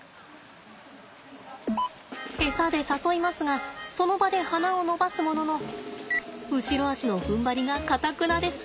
エサで誘いますがその場で鼻を伸ばすものの後ろ肢のふんばりがかたくなです。